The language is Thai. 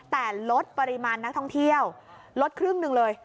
แต่ลดปริมาณนักท่องเที่ยวลดครึ่งหนึ่งเลย